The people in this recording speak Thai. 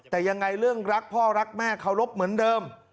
แต่ยังไงเรื่องรักพ่อรักแม่เคารพเหมือนเดิม